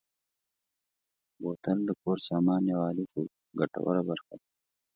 بوتل د کور سامان یوه عادي خو ګټوره برخه ده.